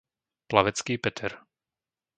Plavecký Peter